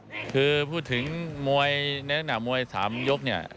สารวาชเชษครับคือพูดถึงมวยในหน้ามวยสามยกเนี่ย